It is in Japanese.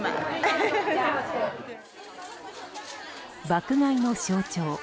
爆買いの象徴。